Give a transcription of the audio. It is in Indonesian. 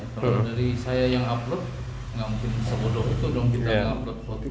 kalau dari saya yang upload nggak mungkin sebodoh itu dong kita upload foto